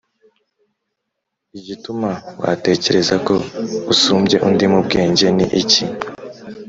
Igituma watekereza ko usumbye undi mu bwenge ni iki